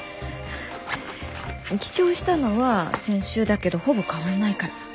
記帳したのは先週だけどほぼ変わんないから。